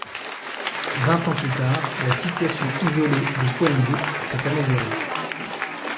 Vingt ans plus tard, la situation isolée de Pouembout s'est améliorée.